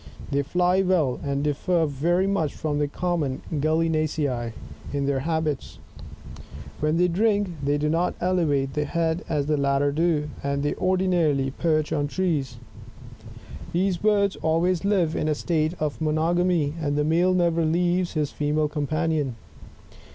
They fly well, and differ very much from the Common Gallinacem in their habits. When they drink, they do not elevate the head as the latter do, and they ordinarily perch on trees. These birds always live' in a state of monogamy, and the male never leaves his female companion.